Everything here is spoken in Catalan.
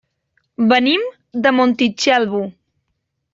Venim de Montitxelvo.